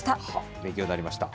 勉強になりました。